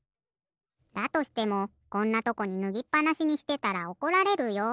だとしてもこんなとこにぬぎっぱなしにしてたらおこられるよ。